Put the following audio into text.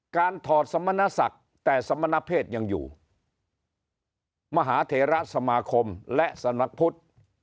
การถอดสมณสักแต่สมณเพศยังอยู่มหาเทระสมาคมและสนับพุทธ